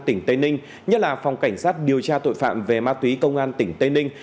tỉnh tây ninh nhất là phòng cảnh sát điều tra tội phạm về ma túy công an tỉnh tây ninh